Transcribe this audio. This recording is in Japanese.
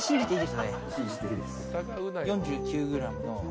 ４９ｇの。